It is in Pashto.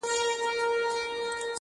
د میرې څپېړه د اور لمبه ده -